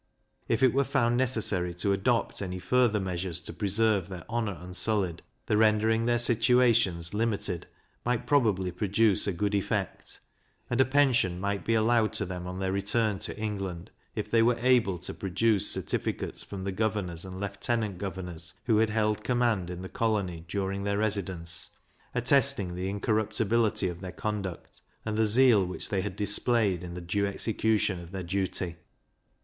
If it were found necessary to adopt any further measures to preserve their honour unsullied, the rendering their situations limited might probably produce a good effect; and a pension might be allowed to them on their return to England, if they were able to produce certificates from the governors and lieutenant governors who had held command in the colony during their residence, attesting the incorruptibility of their conduct, and the zeal which they had displayed in the due execution of their duty.